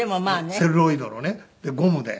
セルロイドのねゴムで。